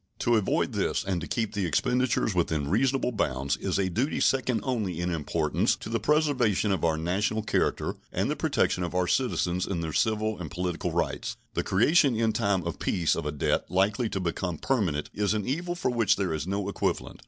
To avoid this and to keep the expenditures within reasonable bounds is a duty second only in importance to the preservation of our national character and the protection of our citizens in their civil and political rights. The creation in time of peace of a debt likely to become permanent is an evil for which there is no equivalent.